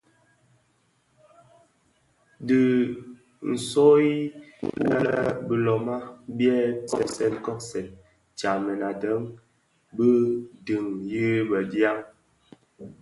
Dhi ntsoyi wu lè biloma biè kobsèn kobsèn tyamèn deň bi duň yi bëdiaň.